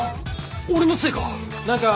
俺のせいか？